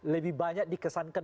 lebih banyak dikesankan